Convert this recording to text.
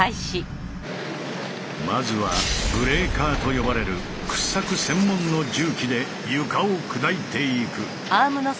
まずはブレーカーと呼ばれる掘削専門の重機で床を砕いていく。